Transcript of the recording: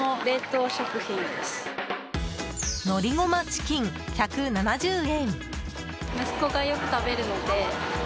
のりごまチキン、１７０円。